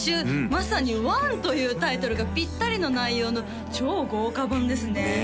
まさに「ＯＮＥ」というタイトルがぴったりの内容の超豪華盤ですねねえ